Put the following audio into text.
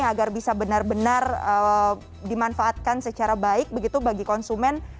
agar bisa benar benar dimanfaatkan secara baik begitu bagi konsumen